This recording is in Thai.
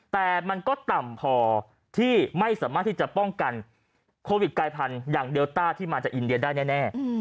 แต่มันก็ต่ำพอที่ไม่สามารถที่จะป้องกันโควิดกายพันธุ์อย่างเดลต้าที่มาจากอินเดียได้แน่